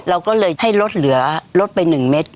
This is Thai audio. เราก็เลยให้ลดเหลือลดไป๑เม็ด